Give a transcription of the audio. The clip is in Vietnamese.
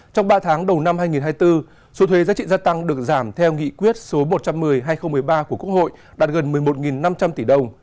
trong ba tháng đầu năm hai nghìn hai mươi bốn số thuế giá trị gia tăng được giảm theo nghị quyết số một trăm một mươi hai nghìn một mươi ba của quốc hội đạt gần một mươi một năm trăm linh tỷ đồng